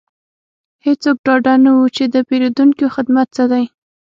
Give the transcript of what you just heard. هیڅوک ډاډه نه وو چې د پیرودونکو خدمت څه دی